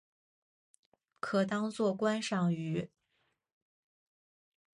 可当作观赏鱼。